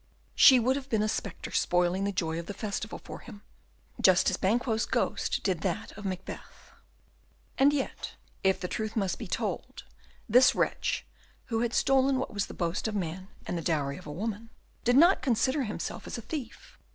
She would have been a spectre spoiling the joy of the festival for him, just as Banquo's ghost did that of Macbeth. And yet, if the truth must be told, this wretch, who had stolen what was the boast of man, and the dowry of a woman, did not consider himself as a thief.